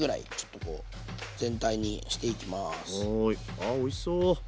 あおいしそう。